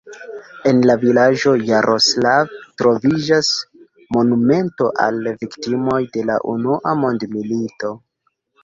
En la vilaĝo Jaroslav troviĝas monumento al viktimoj de la unua mondmilito.